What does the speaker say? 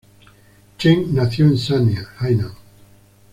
Chen nació en Sanya, Hainan.